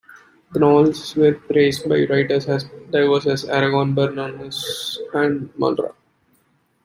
The novels were praised by writers as diverse as Aragon, Bernanos, and Malraux.